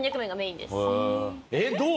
えっどう？